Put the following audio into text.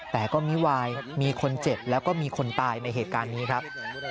แต่ก็มิวายมีคนเจ็บแล้วก็มีคนตายในเหตุการณ์นี้ครับ